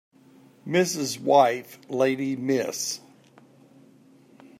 Mrs. wife lady Miss